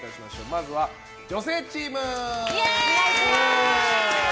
まずは、女性チーム！